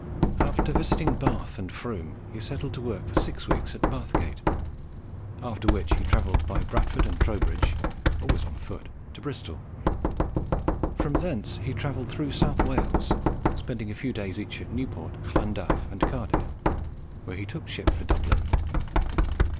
After visiting Bath and Frome, he settled to work for six weeks at Bathgate; after which he travelled by Bradford and Trowbridge always on foot to Bristol. From thence he travelled through South Wales, spending a few days each at Newport, Llandaff, and Cardiff, where he took ship for Dublin.